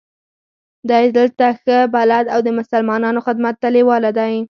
دی دلته ښه بلد او د مسلمانانو خدمت ته لېواله دی.